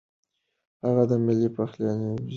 هغه د ملي پخلاینې یو سمبول بولي.